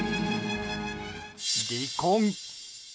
離婚。